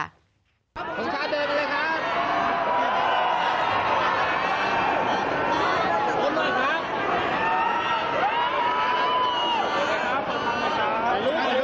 สนชาติเดินเลยครับ